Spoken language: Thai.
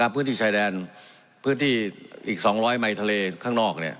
พื้นที่ชายแดนพื้นที่อีก๒๐๐ไมค์ทะเลข้างนอก